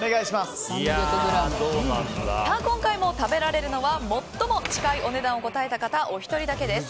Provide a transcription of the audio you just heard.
今回も食べられるのは最も近いお値段を答えた方お一人だけです。